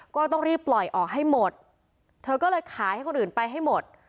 ก็ต้องรีบปล่อยออกให้หมดเธอก็เลยขายให้คนอื่นไปให้หมด